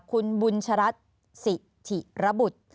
คุณบุญชรัติศิษฐีระบุตร